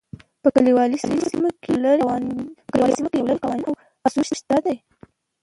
په کلیوالي سیمو کې یو لړ قوانین او اصول شته دي.